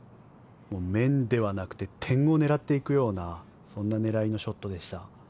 面ではなくて点を狙っていくようなそんな狙いのショットでした。